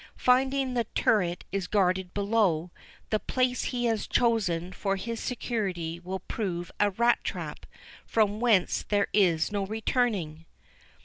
Finding the turret is guarded below, the place he has chosen for his security will prove a rat trap, from whence there is no returning."